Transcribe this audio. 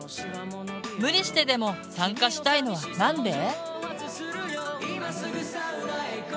無理してでも参加したいのはなんで？